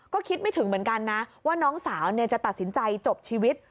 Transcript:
ก็คิดไม่ถึงเหมือนกันนะว่าน้องสาวจะตัดสินใจจบชีวิต